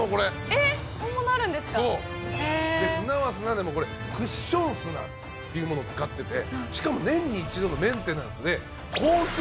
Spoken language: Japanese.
えっ砂は砂でもこれクッション砂というものを使っててしかも年に１度のメンテナンスでコース